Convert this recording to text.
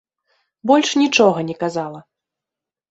Больш нічога не казала.